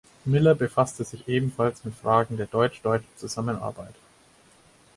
Miller befasste sich ebenfalls mit Fragen der deutsch-deutschen-Zusammenarbeit.